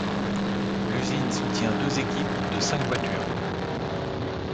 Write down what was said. L'usine soutient deux équipes de cinq voitures.